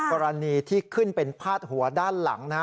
กรณีที่ขึ้นเป็นพาดหัวด้านหลังนะฮะ